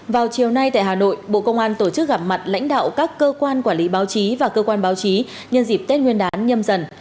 vào chiều nay tại hà nội bộ công an tổ chức gặp mặt lãnh đạo các cơ quan quản lý báo chí và cơ quan báo chí nhân dịp tết nguyên đán nhâm dần